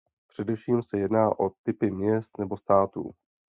Především se jedná o typy měst nebo států.